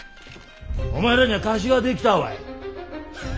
お前らには貸しが出来たわい。